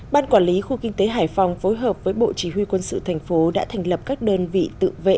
ban quản lý khu kinh tế hải phòng phối hợp với bộ chỉ huy quân sự thành phố đã thành lập các đơn vị tự vệ